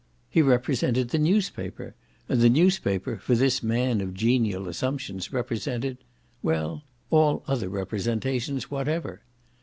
He represented the newspaper, and the newspaper for this man of genial assumptions represented well, all other representations whatever.